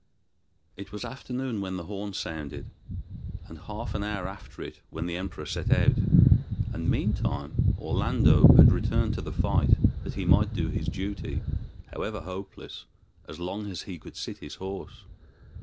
It was afternoon when the horn sounded, and half an hour after it when the Emperor set out; and meantime Orlando had returned to the fight that he might do his duty, however hopeless, as long as he could sit his horse.